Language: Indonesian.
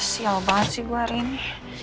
sial banget sih bu hari ini